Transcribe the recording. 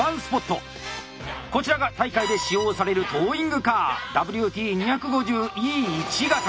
こちらが大会で使用されるトーイングカーＷＴ２５０Ｅ−１型。